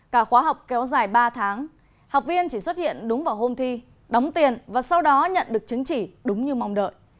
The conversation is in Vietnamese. cả khóa học kéo dài ba tháng học viên chỉ xuất hiện đúng vào hôm thi đóng tiền và sau đó nhận được chứng chỉ đúng như mong đợi